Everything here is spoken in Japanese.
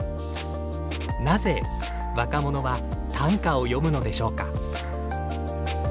なぜ若者は短歌を詠むのでしょうか。